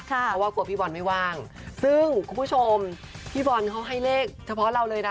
เพราะว่ากลัวพี่บอลไม่ว่างซึ่งคุณผู้ชมพี่บอลเขาให้เลขเฉพาะเราเลยนะ